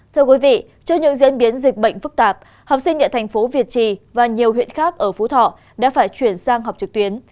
trước những diễn biến dịch bệnh phức tạp học sinh địa thành phố việt trì và nhiều huyện khác ở phú thọ đã phải chuyển sang học trực tuyến